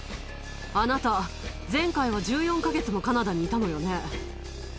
あなた、前回は１４か月もカナダにいたのよね？